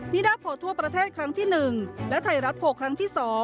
นิดาโพทั่วประเทศครั้งที่๑และไทยรัฐโพลครั้งที่๒